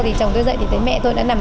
thì chồng tôi dạy thì thấy mẹ tôi đã nằm